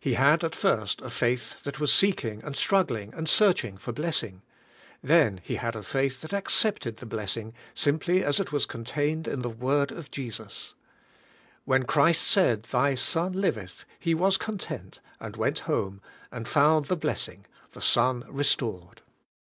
He had at first a faith that was seeking, and struggling, and searching for blessing; then he had a faith that accepted the TRIUMPH OF FA in I \ 40 blessing simph^ as it was contained in the word of Jesus. When Christ said, "Thy son liveth," he was content, and went home, and found the bless ing — the son restored.